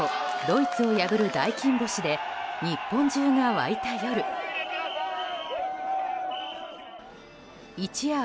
ドイツを破る大金星で日本中が沸いた夜。